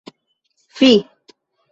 Fi!